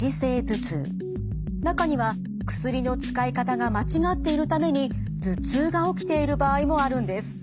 中には薬の使い方が間違っているために頭痛が起きている場合もあるんです。